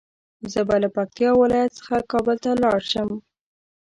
زه به له پکتيا ولايت څخه کابل ته لاړ شم